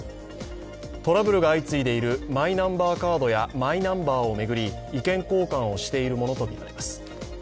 トラブルが相次いでいるマイナンバーカードや、マイナンバーを巡り、意見交換をしているものとみられます。